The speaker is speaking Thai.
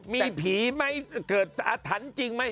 มีผีเกิดอาทันจริงไหม